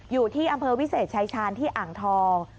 อยู่ที่อำเภอวิเศษชายชาญที่อ่างทอง